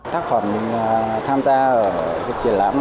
thác khỏi mình tham gia ở cái triển lãm này